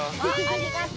ありがとう。